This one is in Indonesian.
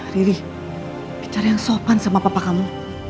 riri bicara yang sopan sama papa kamu